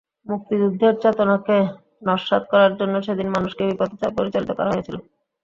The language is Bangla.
মুক্তিযুদ্ধের চেতনাকে নস্যাৎ করার জন্য সেদিন মানুষকে বিপথে পরিচালিত করা হয়েছিল।